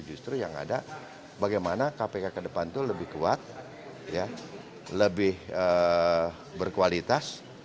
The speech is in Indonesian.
justru yang ada bagaimana kpk ke depan itu lebih kuat lebih berkualitas